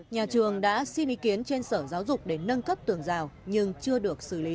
nhà trường đã xin ý kiến trên sở giáo dục để nâng cấp tường rào nhưng chưa được xử lý